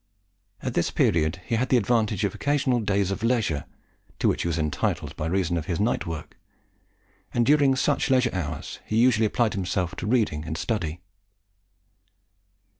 At this period he had the advantage of occasional days of leisure, to which he was entitled by reason of his nightwork; and during such leisure he usually applied himself to reading and study.